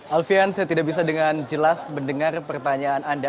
alfian saya tidak bisa dengan jelas mendengar pertanyaan anda